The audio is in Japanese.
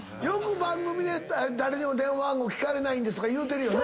よく番組で「誰にも電話番号聞かれないんです」とか言うてる。